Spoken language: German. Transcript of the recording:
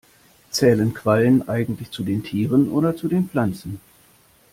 Zählen Quallen eigentlich zu den Tieren oder zu den Pflanzen?